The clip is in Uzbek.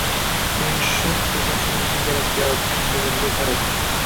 Keyin shartta sochimni jingalak qilayotgan qizga qaradim